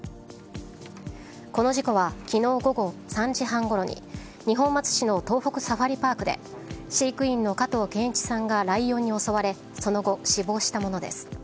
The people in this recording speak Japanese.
この事故は昨日午後３時半ごろに二本松市の東北サファリパークで飼育員の加藤健一さんがライオンに襲われその後、死亡したものです。